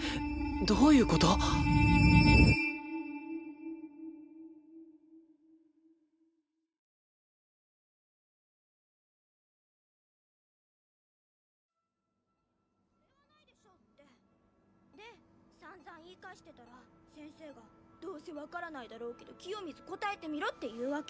どういう事？で散々言い返してたら先生が「どうせわからないだろうけど清水答えてみろ」って言うわけ。